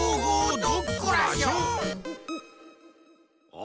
あ！